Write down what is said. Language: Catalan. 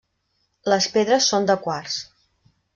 Les pedres són de quars.